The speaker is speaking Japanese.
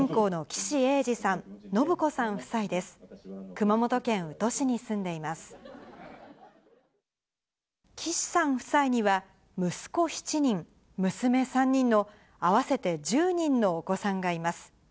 岸さん夫妻には、息子７人、娘３人の、合わせて１０人のお子さんがいます。